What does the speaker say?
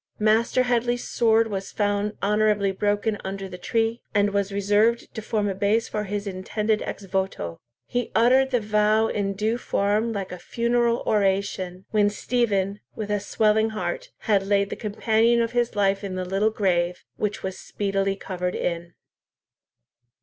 Master Headley's sword was found honourably broken under the tree, and was reserved to form a base for his intended ex voto. He uttered the vow in due form like a funeral oration, when Stephen, with a swelling heart, had laid the companion of his life in the little grave, which was speedily covered in.